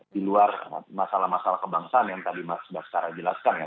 di luar masalah masalah kebangsaan yang tadi mas bassara jelaskan ya